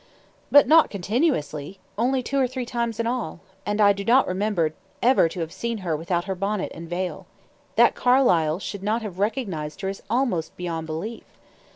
"But not continuously. Only two or three times in all. And I do not remember ever to have seen her without her bonnet and veil. That Carlyle should not have recognized her is almost beyond belief."